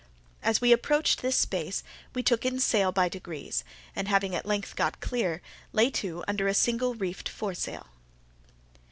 As we approached this space we took in sail by degrees, and having at length got clear, lay to under a single reefed foresail.